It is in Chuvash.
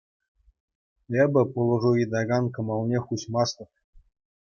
Эпӗ пулӑшу ыйтакан кӑмӑлне хуҫмастӑп.